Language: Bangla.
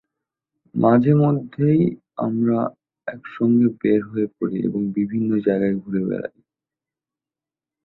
মাঝে-মধ্যেই আমরা একসঙ্গে বের হয়ে পড়ি এবং বিভিন্ন জায়গায় ঘুরে বেড়াই।